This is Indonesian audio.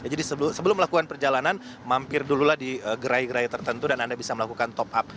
jadi sebelum melakukan perjalanan mampir dululah di gerai gerai tertentu dan anda bisa melakukan top up